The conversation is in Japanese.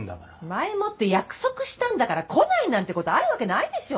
前もって約束したんだから来ないなんてことあるわけないでしょ？